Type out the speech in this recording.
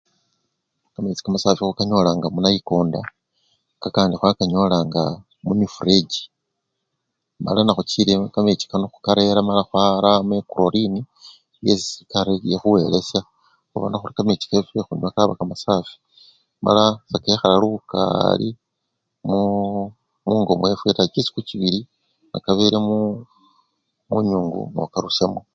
Kamechi kamasafwi khukanyolanga munayikonda, kakandi khwakanyolanga mumifurechi, mala nekhuchile kamechi kano khukarera mala khwaramo ekurorini esi serekari ekhuwelesya khubona khuli kamechi kefwe khunywa kaba kamasafwi mala sekekhala lukaali muu! mungo mwefwe taa, chisiku chibili nikabele muu! munyungu, nokarusyamo.